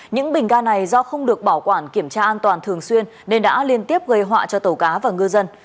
những bình ga này do không được bảo quản kiểm tra an toàn thường xuyên nên đã liên tiếp gây họa cho tàu cá và ngư dân